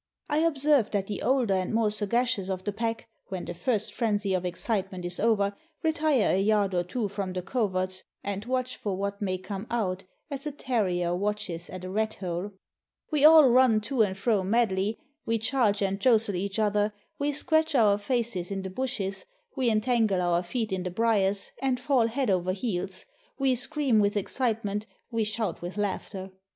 I observe that the older and more sagacious of the pack, when the first frenzy of excitement is over, retire a yard or two from the coverts, and watch for what may come out, as a ter rier watches at a rat hole. We all run to and fro madly, we charge and jostle each other, we scratch our faces in the bushes, we entangle our feet in the briers, and fall head over heels, we scream with excitement, we shout with laughter.